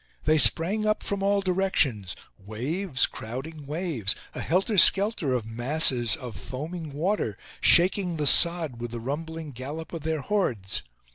They sprang up from all directions, waves crowding waves, a helter skelter of masses of foaming water, shaking the sod with the rumbling gallop of their hordes.